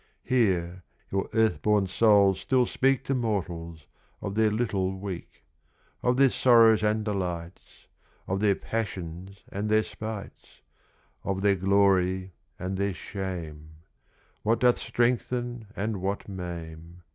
Here, your earth born souls still speak To mortals, of their little week; Of their sorrows and delights; Of their passions and their spites; Of their glory and their shame; What doth strengthen and what maim.